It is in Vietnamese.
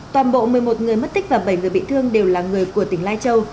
toàn bộ một mươi một người mất tích và bảy người bị thương đều là người của tỉnh lai châu